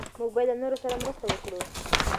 موږ باید له نورو سره مرسته وکړو.